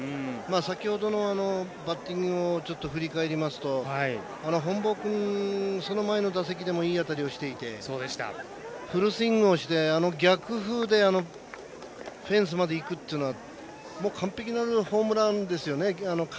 先ほどのバッティングを振り返りますと本坊君、その前の打席もいい当たりをしていてフルスイングをして逆風でフェンスまでいくっていうのは完璧なホームランですよね。